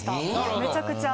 めちゃくちゃ。